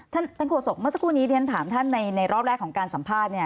ท่านโฆษกเมื่อสักครู่นี้เรียนถามท่านในรอบแรกของการสัมภาษณ์เนี่ย